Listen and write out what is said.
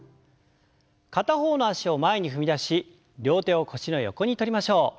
片方の脚を前に踏み出し両手を腰の横にとりましょう。